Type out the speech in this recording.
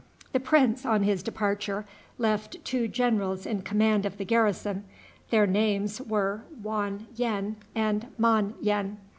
The prince, on his departure, left two generals in command of the garrison. Their names were Wan yen and Mon yen.